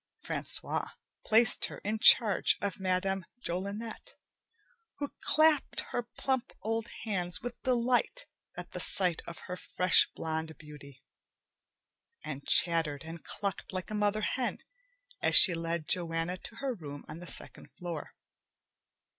Francois placed her in charge of Madame Jolinet, who clapped her plump old hands with delight at the sight of her fresh blonde beauty, and chattered and clucked like a mother hen as she led Joanna to her room on the second floor.